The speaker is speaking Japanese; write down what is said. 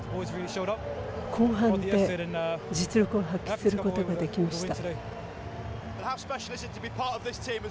後半で実力を発揮することができました。